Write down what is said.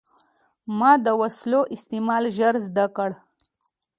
ما د وسلو استعمال ژر زده کړ.